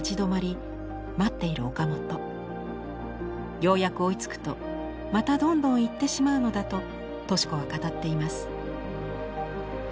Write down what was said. ようやく追いつくとまたどんどん行ってしまうのだと敏子は語っています。